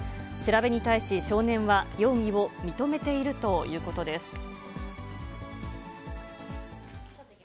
調べに対し少年は容疑を認めているということです。